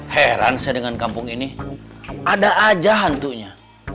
heran saya dengan kampung ini ada aja hantunya